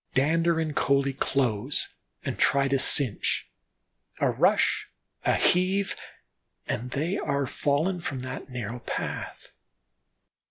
Dander and Coalie close and try to clinch; a rush, a heave, and they are fallen from that narrow path.